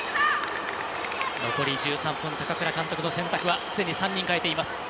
残り１３分、高倉監督の選択はすでに３人代えています。